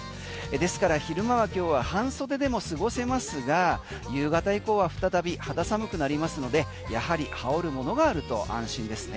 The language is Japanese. ですから昼間は今日は半袖でも過ごせますが夕方以降は再び肌寒くなりますのでやはり羽織るものがあると安心ですね。